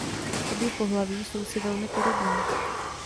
Obě pohlaví jsou si velmi podobná.